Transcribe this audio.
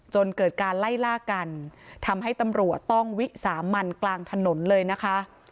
จนเกิดการไล่ล่ากันทำให้ตำรวจต้องวิสามันกลางถนนเลยนะคะ